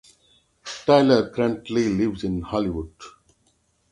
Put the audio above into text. Tyler currently lives in Hollywood.